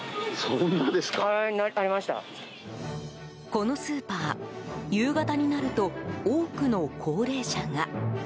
このスーパー夕方になると多くの高齢者が。